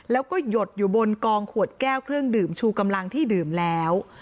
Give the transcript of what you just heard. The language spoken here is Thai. แล้วก็หยดอยู่บนกองขวดแก้วเครื่องดื่มชูกำลังที่ดื่มแล้ว